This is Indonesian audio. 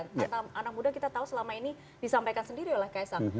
karena anak muda kita tahu selama ini disampaikan sendiri oleh kseng